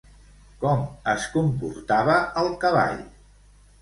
Com es comportava el cavall?